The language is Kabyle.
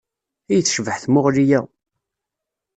Ay tecbeḥ tmuɣli-a!